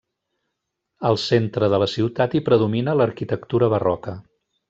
Al centre de la ciutat hi predomina l'arquitectura barroca.